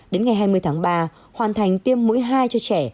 đến ngày hai mươi tháng ba hoàn thành tiêm mũi hai cho trẻ